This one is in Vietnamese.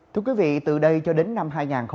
thưa quý vị từ đây cho đến năm hai nghìn hai mươi